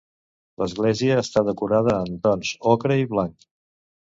L'església està decorada en tons ocre i blanc.